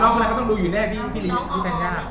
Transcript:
น้องอะไรเขาต้องรู้อยู่แน่พี่ลิพี่แพง่า